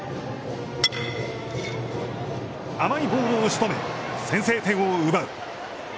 甘いボールをしとめ、先制点を奪う。